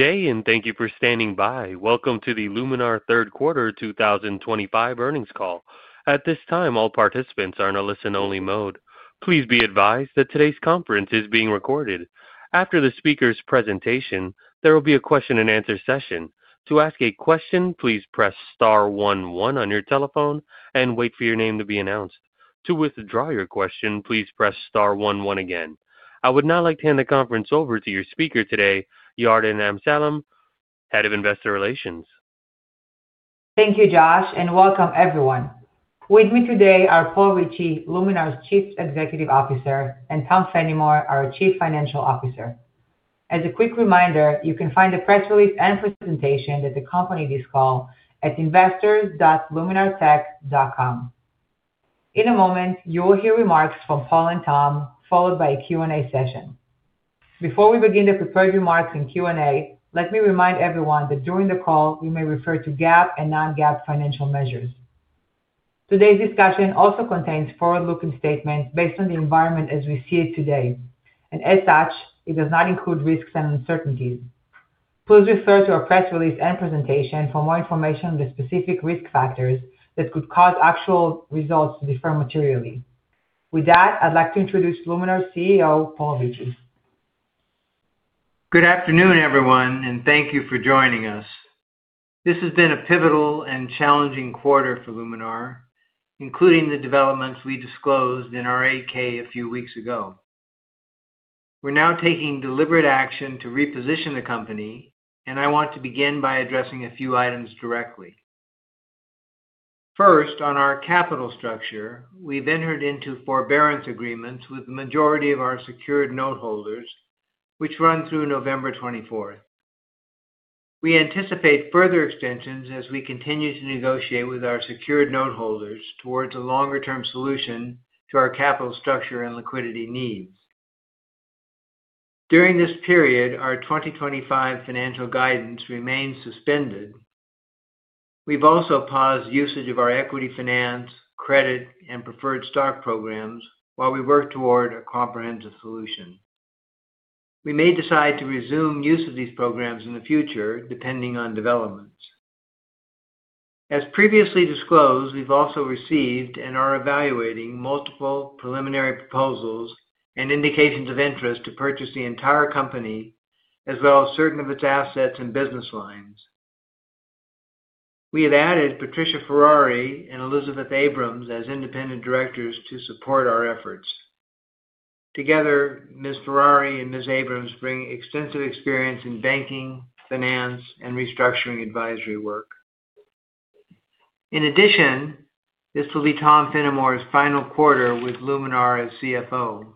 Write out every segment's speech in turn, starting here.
Today, and thank you for standing by. Welcome to the Luminar htird quarter 2025 earnings call. At this time, all participants are in a listen-only mode. Please be advised that today's conference is being recorded. After the speaker's presentation, there will be a question-and-answer session. To ask a question, please press star one one on your telephone and wait for your name to be announced. To withdraw your question, please press star one one again. I would now like to hand the conference over to your speaker today, Yarden Amsalem, Head of Investor Relations. Thank you, Josh, and welcome everyone. With me today are Paul Ricci, Luminar's Chief Executive Officer, and Tom Fennimore, our Chief Financial Officer. As a quick reminder, you can find the press release and presentation that accompanied this call at investors.luminartech.com. In a moment, you will hear remarks from Paul and Tom, followed by a Q&A session. Before we begin the prepared remarks and Q&A, let me remind everyone that during the call, we may refer to GAAP and non-GAAP financial measures. Today's discussion also contains forward-looking statements based on the environment as we see it today, and as such, it does not include risks and uncertainties. Please refer to our press release and presentation for more information on the specific risk factors that could cause actual results to differ materially. With that, I'd like to introduce Luminar's CEO, Paul Ricci. Good afternoon, everyone, and thank you for joining us. This has been a pivotal and challenging quarter for Luminar, including the developments we disclosed in our 8-K a few weeks ago. We're now taking deliberate action to reposition the company, and I want to begin by addressing a few items directly. First, on our capital structure, we've entered into forbearance agreements with the majority of our secured noteholders, which run through November 24th. We anticipate further extensions as we continue to negotiate with our secured noteholders towards a longer-term solution to our capital structure and liquidity needs. During this period, our 2025 financial guidance remains suspended. We've also paused usage of our equity finance, credit, and preferred stock programs while we work toward a comprehensive solution. We may decide to resume use of these programs in the future, depending on developments. As previously disclosed, we've also received and are evaluating multiple preliminary proposals and indications of interest to purchase the entire company, as well as certain of its assets and business lines. We have added Patricia Ferrari and Elizabeth Abrams as independent directors to support our efforts. Together, Ms. Ferrari and Ms. Abrams bring extensive experience in banking, finance, and restructuring advisory work. In addition, this will be Tom Fennimore's final quarter with Luminar as CFO.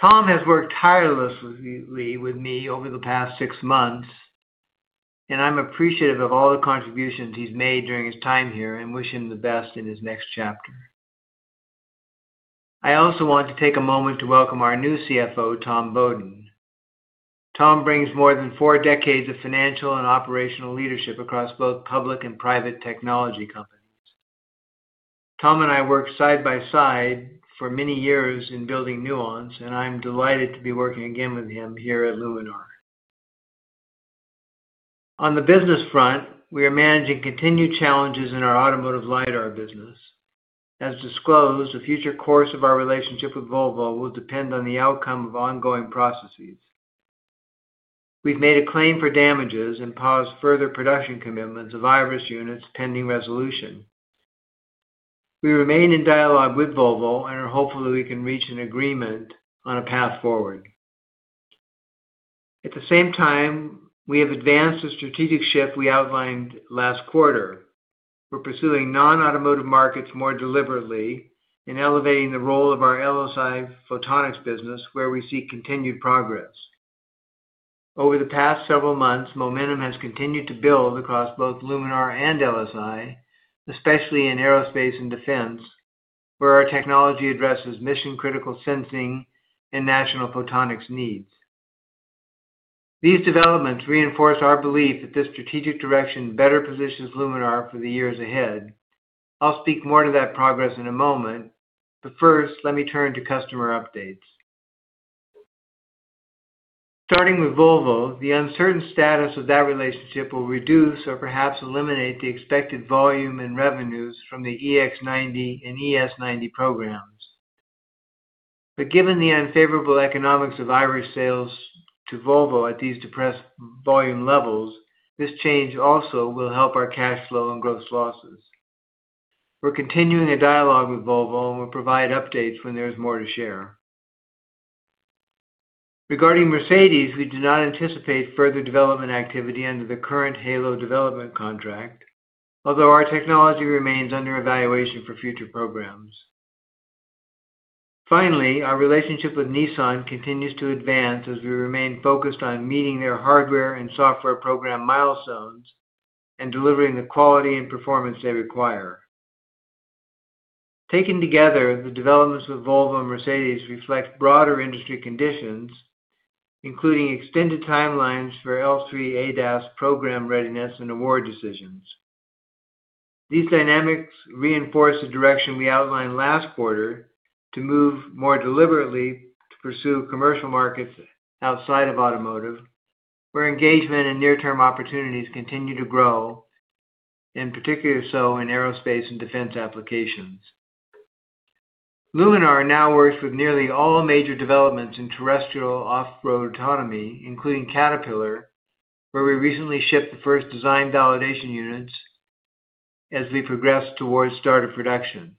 Tom has worked tirelessly with me over the past six months, and I'm appreciative of all the contributions he's made during his time here and wish him the best in his next chapter. I also want to take a moment to welcome our new CFO, Tom Beaudoin. Tom brings more than four decades of financial and operational leadership across both public and private technology companies. Tom and I worked side by side for many years in building Nuance, and I'm delighted to be working again with him here at Luminar. On the business front, we are managing continued challenges in our automotive LiDAR business. As disclosed, the future course of our relationship with Volvo will depend on the outcome of ongoing processes. We've made a claim for damages and paused further production commitments of Iris units pending resolution. We remain in dialogue with Volvo and are hopeful that we can reach an agreement on a path forward. At the same time, we have advanced the strategic shift we outlined last quarter. We're pursuing non-automotive markets more deliberately and elevating the role of our LSI photonics business, where we see continued progress. Over the past several months, momentum has continued to build across both Luminar and LSI, especially in aerospace and defense, where our technology addresses mission-critical sensing and national photonics needs. These developments reinforce our belief that this strategic direction better positions Luminar for the years ahead. I'll speak more to that progress in a moment, but first, let me turn to customer updates. Starting with Volvo, the uncertain status of that relationship will reduce or perhaps eliminate the expected volume and revenues from the EX90 and ES90 programs. Given the unfavorable economics of Iris sales to Volvo at these depressed volume levels, this change also will help our cash flow and gross losses. We're continuing a dialogue with Volvo, and we'll provide updates when there is more to share. Regarding Mercedes, we do not anticipate further development activity under the current Halo development contract, although our technology remains under evaluation for future programs. Finally, our relationship with Nissan continues to advance as we remain focused on meeting their hardware and software program milestones and delivering the quality and performance they require. Taken together, the developments with Volvo and Mercedes reflect broader industry conditions, including extended timelines for L3 ADAS program readiness and award decisions. These dynamics reinforce the direction we outlined last quarter to move more deliberately to pursue commercial markets outside of automotive, where engagement and near-term opportunities continue to grow, and particularly so in aerospace and defense applications. Luminar now works with nearly all major developments in terrestrial off-road autonomy, including Caterpillar, where we recently shipped the first design validation units as we progress towards start of production.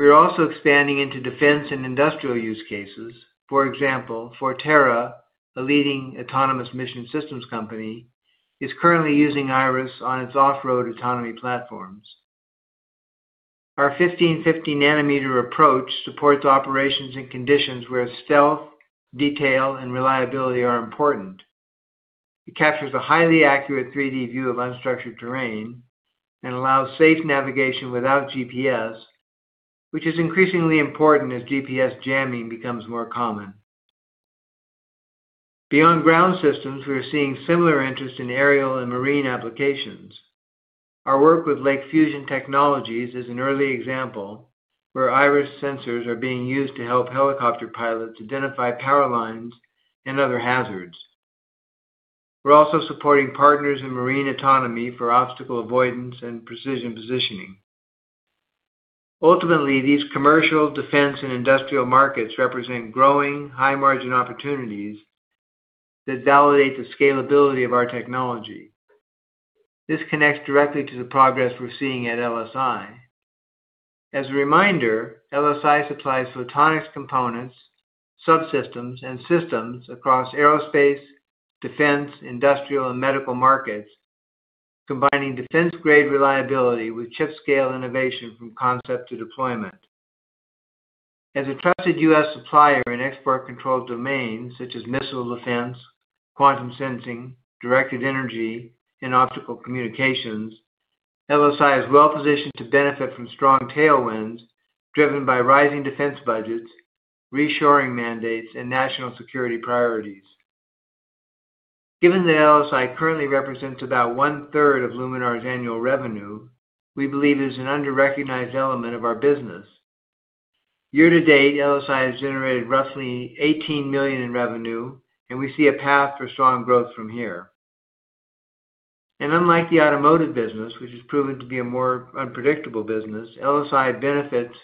We're also expanding into defense and industrial use cases. For example, Forterra, a leading autonomous mission systems company, is currently using Iris on its off-road autonomy platforms. Our 1550-nanometer approach supports operations and conditions where stealth, detail, and reliability are important. It captures a highly accurate 3D view of unstructured terrain and allows safe navigation without GPS, which is increasingly important as GPS jamming becomes more common. Beyond ground systems, we're seeing similar interest in aerial and marine applications. Our work with Lake Fusion Technologies is an early example where Iris sensors are being used to help helicopter pilots identify power lines and other hazards. We're also supporting partners in marine autonomy for obstacle avoidance and precision positioning. Ultimately, these commercial, defense, and industrial markets represent growing high-margin opportunities that validate the scalability of our technology. This connects directly to the progress we're seeing at LSI. As a reminder, LSI supplies photonics components, subsystems, and systems across aerospace, defense, industrial, and medical markets, combining defense-grade reliability with chip-scale innovation from concept to deployment. As a trusted U.S. supplier in export-controlled domains such as missile defense, quantum sensing, directed energy, and optical communications, LSI is well-positioned to benefit from strong tailwinds driven by rising defense budgets, reshoring mandates, and national security priorities. Given that LSI currently represents about one-third of Luminar's annual revenue, we believe it is an under-recognized element of our business. Year to date, LSI has generated roughly $18 million in revenue, and we see a path for strong growth from here. Unlike the automotive business, which has proven to be a more unpredictable business, LSI benefits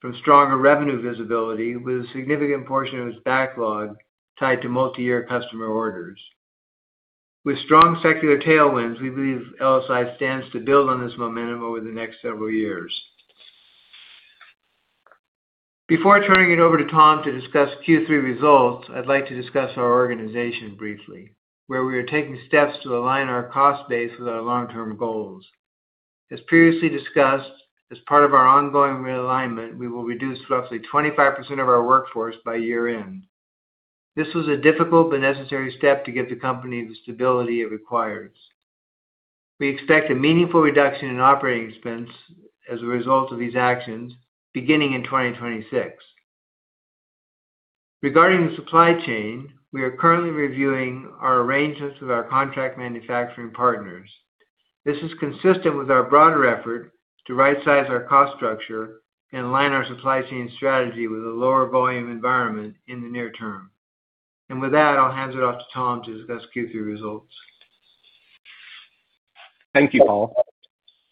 from stronger revenue visibility, with a significant portion of its backlog tied to multi-year customer orders. With strong secular tailwinds, we believe LSI stands to build on this momentum over the next several years. Before turning it over to Tom to discuss Q3 results, I'd like to discuss our organization briefly, where we are taking steps to align our cost base with our long-term goals. As previously discussed, as part of our ongoing realignment, we will reduce roughly 25% of our workforce by year-end. This was a difficult but necessary step to give the company the stability it requires. We expect a meaningful reduction in operating expense as a result of these actions beginning in 2026. Regarding the supply chain, we are currently reviewing our arrangements with our contract manufacturing partners. This is consistent with our broader effort to right-size our cost structure and align our supply chain strategy with a lower-volume environment in the near term. With that, I'll hand it off to Tom to discuss Q3 results. Thank you, Paul.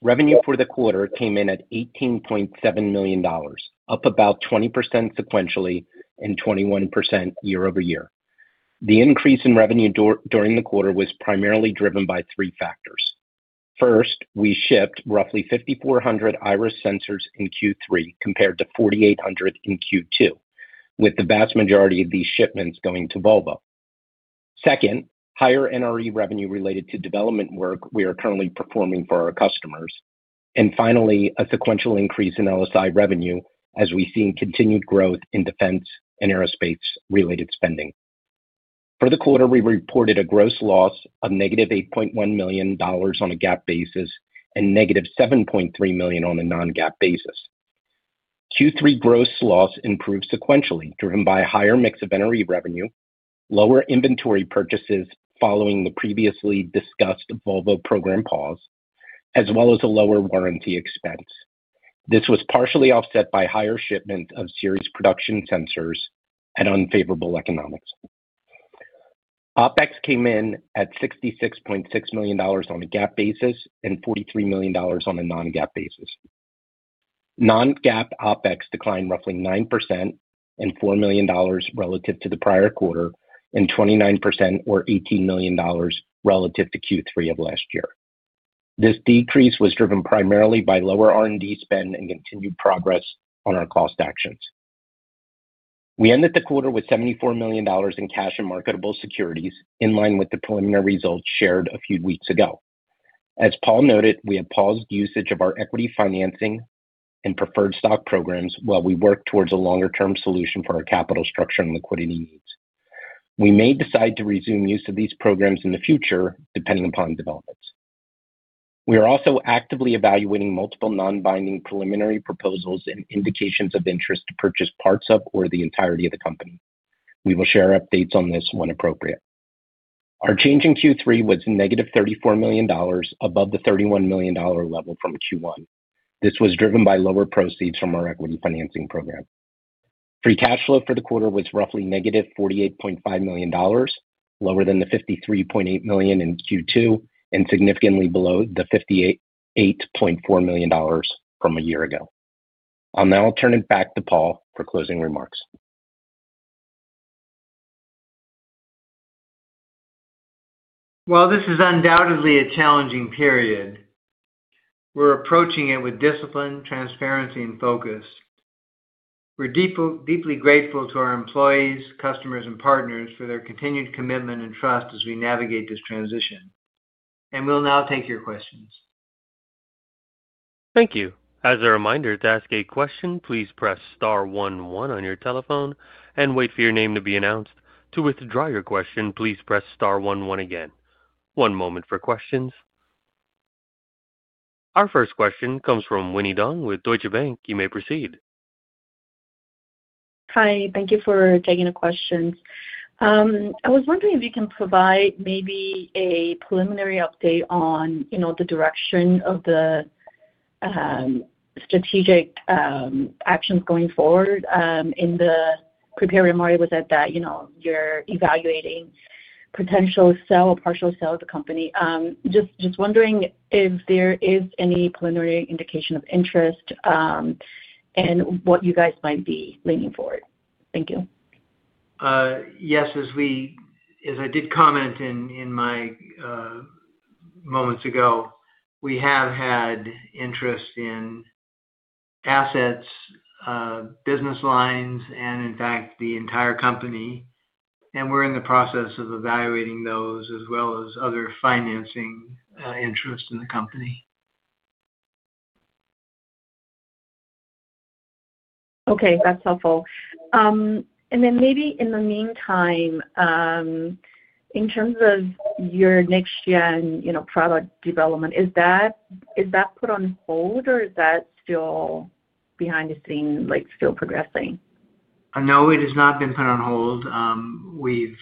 Revenue for the quarter came in at $18.7 million, up about 20% sequentially and 21% year-over-year. The increase in revenue during the quarter was primarily driven by three factors. First, we shipped roughly 5,400 Iris sensors in Q3 compared to 4,800 in Q2, with the vast majority of these shipments going to Volvo. Second, higher NRE revenue related to development work we are currently performing for our customers. Finally, a sequential increase in LSI revenue as we've seen continued growth in defense and aerospace-related spending. For the quarter, we reported a gross loss of negative $8.1 million on a GAAP basis and -$7.3 million on a non-GAAP basis. Q3 gross loss improved sequentially driven by a higher mix of NRE revenue, lower inventory purchases following the previously discussed Volvo program pause, as well as a lower warranty expense. This was partially offset by higher shipments of series production sensors and unfavorable economics. ApEx came in at $66.6 million on a GAAP basis and $43 million on a non-GAAP basis. Non-GAAP ApEx declined roughly 9% and $4 million relative to the prior quarter and 29% or $18 million relative to Q3 of last year. This decrease was driven primarily by lower R&D spend and continued progress on our cost actions. We ended the quarter with $74 million in cash and marketable securities in line with the preliminary results shared a few weeks ago. As Paul noted, we have paused usage of our equity financing and preferred stock programs while we work towards a longer-term solution for our capital structure and liquidity needs. We may decide to resume use of these programs in the future depending upon developments. We are also actively evaluating multiple non-binding preliminary proposals and indications of interest to purchase parts of or the entirety of the company. We will share updates on this when appropriate. Our change in Q3 was -$34 million above the $31 million level from Q1. This was driven by lower proceeds from our equity financing program. Free cash flow for the quarter was roughly -$48.5 million, lower than the $53.8 million in Q2 and significantly below the $58.4 million from a year ago. I'll now turn it back to Paul for closing remarks. While this is undoubtedly a challenging period, we're approaching it with discipline, transparency, and focus. We're deeply grateful to our employees, customers, and partners for their continued commitment and trust as we navigate this transition. We will now take your questions. Thank you. As a reminder, to ask a question, please press star one one on your telephone and wait for your name to be announced. To withdraw your question, please press star one one again. One moment for questions. Our first question comes from Winnie Dong with Deutsche Bank. You may proceed. Hi. Thank you for taking the questions. I was wondering if you can provide maybe a preliminary update on the direction of the strategic actions going forward in the prepared memory. It was said that you're evaluating potential sale or partial sale of the company. Just wondering if there is any preliminary indication of interest and what you guys might be leaning forward. Thank you. Yes. As I did comment moments ago, we have had interest in assets, business lines, and in fact, the entire company. We are in the process of evaluating those as well as other financing interests in the company. Okay. That's helpful. Maybe in the meantime, in terms of your next-gen product development, is that put on hold or is that still behind the scenes, still progressing? No, it has not been put on hold. We've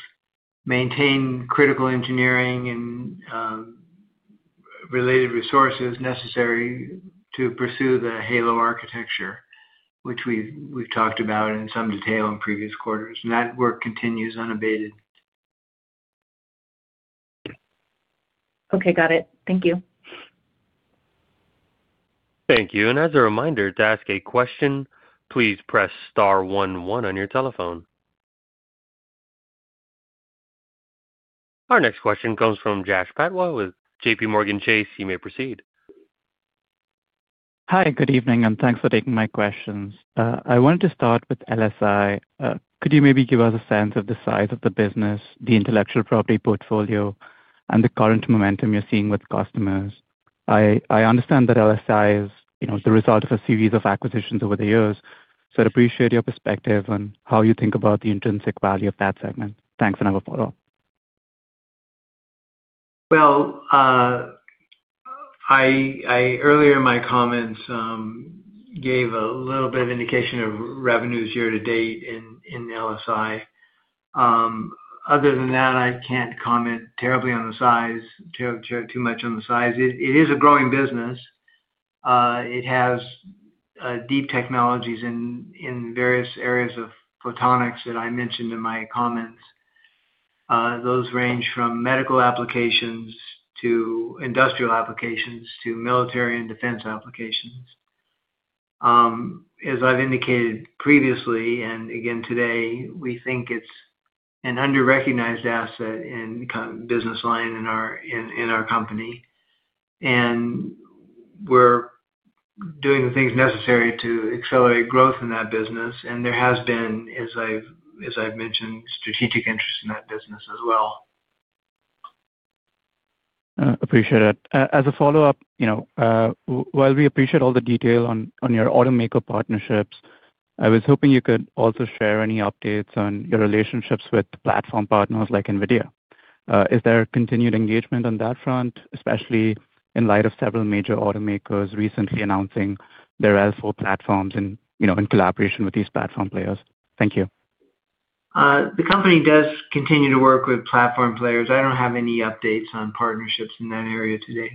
maintained critical engineering and related resources necessary to pursue the Halo architecture, which we've talked about in some detail in previous quarters. That work continues unabated. Okay. Got it. Thank you. Thank you. As a reminder, to ask a question, please press star 11 on your telephone. Our next question comes from Jash Patwa with JPMorgan Chase. You may proceed. Hi. Good evening, and thanks for taking my questions. I wanted to start with LSI. Could you maybe give us a sense of the size of the business, the intellectual property portfolio, and the current momentum you're seeing with customers? I understand that LSI is the result of a series of acquisitions over the years, so I'd appreciate your perspective on how you think about the intrinsic value of that segment. Thanks and have a photo op. Earlier in my comments, I gave a little bit of indication of revenues year-to-date in LSI. Other than that, I can't comment terribly on the size, too much on the size. It is a growing business. It has deep technologies in various areas of photonics that I mentioned in my comments. Those range from medical applications to industrial applications to military and defense applications. As I've indicated previously and again today, we think it's an under-recognized asset and business line in our company. We're doing the things necessary to accelerate growth in that business. There has been, as I've mentioned, strategic interest in that business as well. Appreciate it. As a follow-up, while we appreciate all the detail on your automaker partnerships, I was hoping you could also share any updates on your relationships with platform partners like NVIDIA. Is there continued engagement on that front, especially in light of several major automakers recently announcing their L4 platforms in collaboration with these platform players? Thank you. The company does continue to work with platform players. I don't have any updates on partnerships in that area today,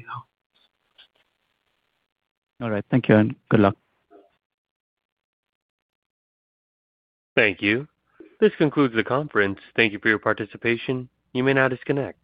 though. All right. Thank you, and good luck. Thank you. This concludes the conference. Thank you for your participation. You may now disconnect.